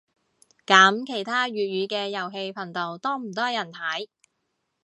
噉其他粵語嘅遊戲頻道多唔多人睇